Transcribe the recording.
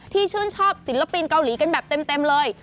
ชื่นชอบศิลปินเกาหลีกันแบบเต็มเลย